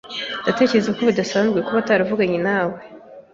Ntekereza ko bidasanzwe kuba ataravuganye nawe.